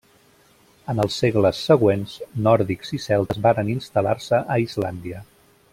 En els segles següents, nòrdics i celtes varen instal·lar-se a Islàndia.